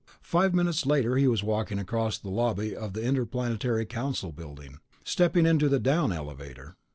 Five minutes later he was walking across the lobby of the Interplanetary Council building, stepping into the down elevator.